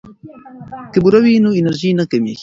که بوره وي نو انرژي نه کمیږي.